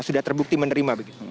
sudah terbukti menerima